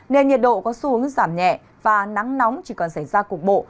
nên nhiệt độ có xu hướng giảm nhẹ và nắng nóng chỉ còn xảy ra cục bộ